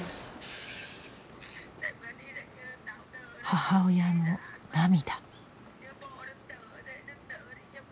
母親の涙。